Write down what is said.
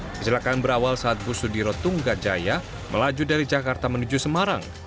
kecelakaan berawal saat bus sudiro tunggajaya melaju dari jakarta menuju semarang